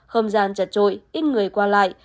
không gian chặt trội ít người qua lại